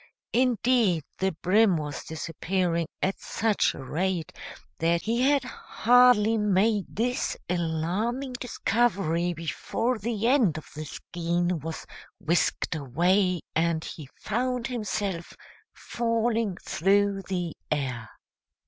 Indeed, the brim was disappearing at such a rate that he had hardly made this alarming discovery before the end of the skein was whisked away, and he found himself falling through the air.